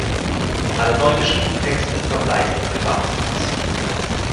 Alle neu geschriebenen Texte verbleiben in Privatbesitz“.